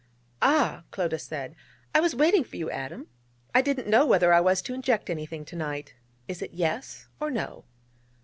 'Ah,' Clodagh said, 'I was waiting for you, Adam. I didn't know whether I was to inject anything to night. Is it Yes or No?'